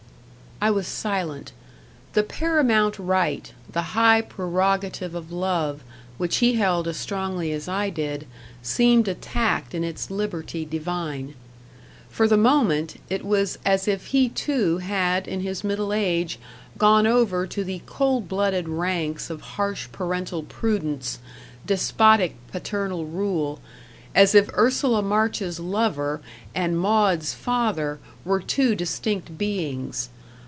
I was silent. The paramount right, the high prerogative of love, which he held as strongly as I did, seemed attacked in its liberty divine. For the moment, it was as if he too had in his middle age gone over to the cold blooded ranks of harsh parental prudence, despotic paternal rule; as if Ursula March's lover and Maud's father were two distinct beings.